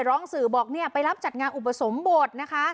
ร้องสื่อบอกเนี่ยไปรับจัดงานอุปสมบทนะคะ